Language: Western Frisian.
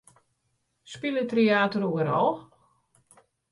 Spilet Tryater oeral?